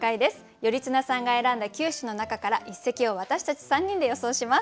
頼綱さんが選んだ９首の中から一席を私たち３人で予想します。